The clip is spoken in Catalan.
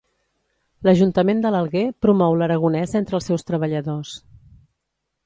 L'Ajuntament de l'Alguer promou l'aragonès entre els seus treballadors.